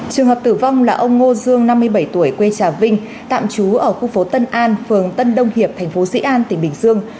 trường hợp tử vong là ông ngô dương năm mươi bảy tuổi quê trà vinh tạm trú ở khu phố tân an phường tân đông hiệp thành phố sĩ an tỉnh bình dương